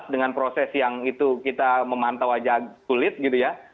dengan proses yang itu kita memantau aja sulit gitu ya